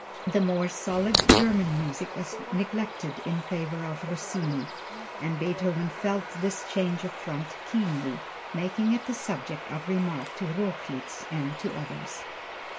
The more solid German music was neglected in favor of Rossini, and Beethoven felt this change of front keenly, making it the subject of remark to Rochlitz and to others.